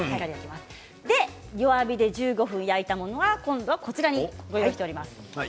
弱火で１５分焼いたものを今度はこちらに用意してあります。